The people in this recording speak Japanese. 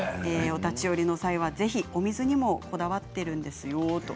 お立ち寄りの際はぜひお水にもこだわってるんですよ」と。